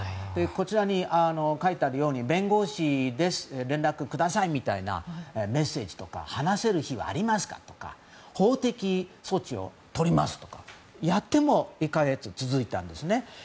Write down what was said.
こちらに書いてあるように弁護士です連絡くださいみたいなメッセージとか話せる日はありますか？とか法的措置を取りますとかやっても１か月続いたんです。